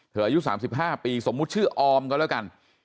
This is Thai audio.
อายุ๓๕ปีสมมุติชื่อออมก็แล้วกัน